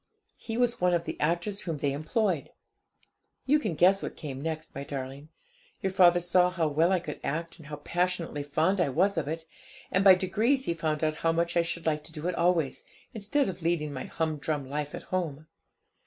He was one of the actors whom they employed. 'You can guess what came next, my darling. Your father saw how well I could act, and how passionately fond I was of it; and by degrees he found out how much I should like to do it always, instead of leading my humdrum life at home.